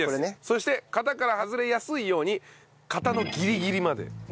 そして型から外れやすいように型のギリギリまで注いでください。